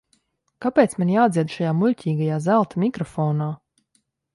Kāpēc man jādzied šajā muļķīgajā zelta mikrofonā?